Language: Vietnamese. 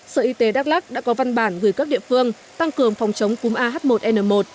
sở y tế đắk lắc đã có văn bản gửi các địa phương tăng cường phòng chống cúm ah một n một